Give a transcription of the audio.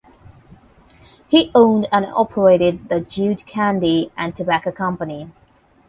He owned and operated the Jude Candy and Tobacco Company.